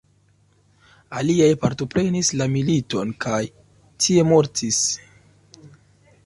Aliaj partoprenis la militon kaj tie mortis.